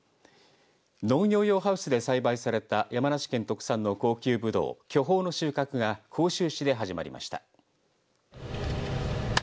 農業用ハウスで栽培された山梨県特産の高級ぶどう、巨峰の収穫が甲州市で始まりました。